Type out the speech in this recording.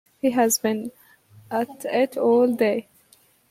He has been at it all day.